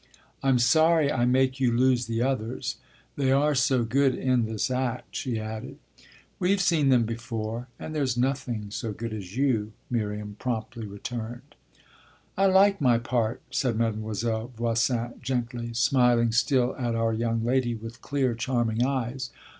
"I'm sorry I make you lose the others they're so good in this act," she added. "We've seen them before and there's nothing so good as you," Miriam promptly returned. "I like my part," said Mademoiselle Voisin gently, smiling still at our young lady with clear, charming eyes.